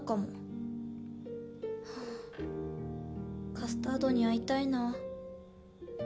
カスタードに会いたいな。